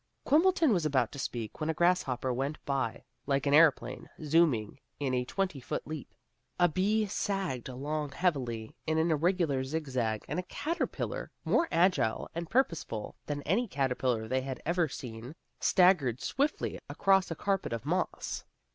Quimbleton was about to speak when a grasshopper went by like an airplane, zooming in a twenty foot leap. A bee sagged along heavily in an irregular zig zag, and a caterpillar, more agile and purposeful than any caterpillar they had ever seen, staggered swiftly across a carpet of moss.